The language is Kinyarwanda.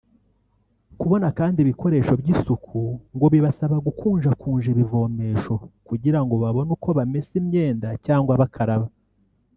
Kubona kandi ibikoresho by’isuku ngo bibasaba gukunjakunja ibivomesho kugira ngo babone uko bamesa imyenda cyangwa bakaraba